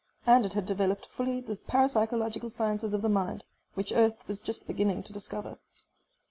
And it had developed fully the parapsychological sciences of the mind, which Earth was just beginning to discover.